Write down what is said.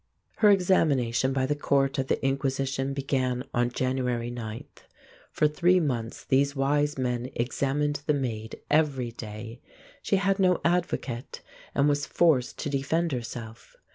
Her examination by the Court of the Inquisition began on January 9th. For three months these wise men examined the Maid every day. She had no advocate, and was forced to defend herself.